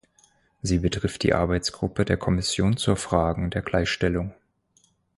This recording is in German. Sie betrifft die Arbeitsgruppe der Kommission zu Fragen der Gleichstellung.